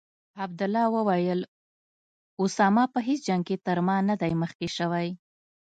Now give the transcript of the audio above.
عبدالله وویل: اسامه په هیڅ جنګ کې تر ما نه دی مخکې شوی.